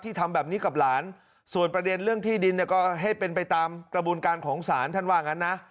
ทำแบบนี้กับหลานส่วนประเด็นเรื่องที่ดินเนี่ยก็ให้เป็นไปตามกระบวนการของศาลท่านว่างั้นนะ